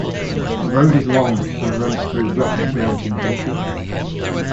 The road is long and runs through rough mountain country.